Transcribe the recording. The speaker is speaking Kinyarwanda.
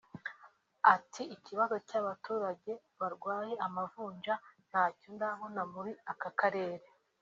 Ati “Ikibazo cy’abaturage barwaye amavunja ntacyo ndabona muri aka karere